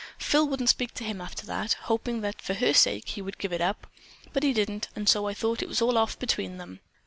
Phyl wouldn't speak to him after that, hoping that, for her sake, he would give it up; but he didn't, and so I thought it was all off between them."